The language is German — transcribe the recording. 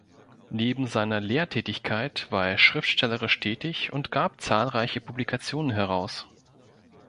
Neben seiner Lehrtätigkeit war er schriftstellerisch tätig und gab zahlreiche Publikationen heraus.